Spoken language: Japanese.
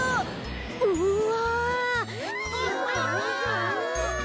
うわ。